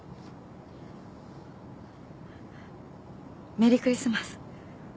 メリークリスマス。